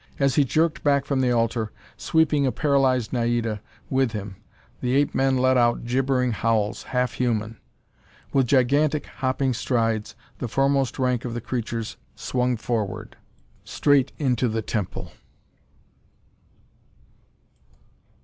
As he jerked back from the altar, sweeping a paralyzed Naida with him, the ape men let out gibbering howls, half human. With gigantic, hopping strides, the foremost rank of the creatures swung forward, straight into the temple.